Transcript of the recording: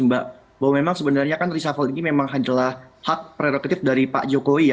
bahwa memang sebenarnya risa falk ini memang adalah hak prerogatif dari pak jokowi